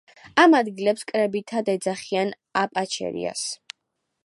ამ ადგილებს კრებითად ეძახიან აპაჩერიას.